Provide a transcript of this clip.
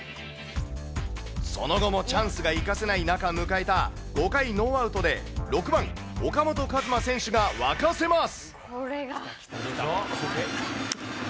その後もチャンスが生かせない中、迎えた５回ノーアウトで、６番岡本和真選手が沸かせます。